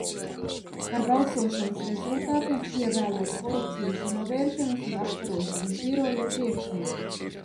Par balsošanas rezultātiem, ievēlot Korupcijas novēršanas un apkarošanas biroja priekšnieku.